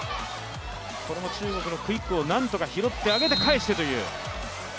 これも中国のクイックを何とか上げて返してという。